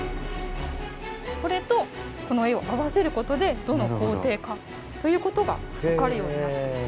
これとこの絵を合わせることでどの工程かということが分かるようになっていて。